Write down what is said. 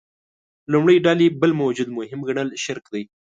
لومړۍ ډلې بل موجود مهم ګڼل شرک دی.